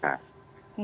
tapi misalkan memang